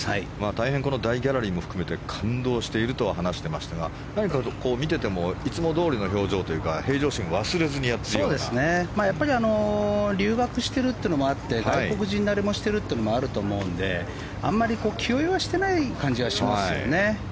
大変この大ギャラリーも含めて感動していると話していましたが何か見ていてもいつもどおりのゴルフというか平常心を忘れずにやってますね。留学しているのもあって外国人慣れしているのもあると思うのであんまり気負いしてない感じがしますよね。